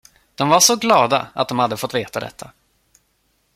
De var så glada att de hade fått veta detta.